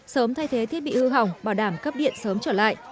sớm thay thế thiết bị hư hỏng bảo đảm cấp điện sớm trở lại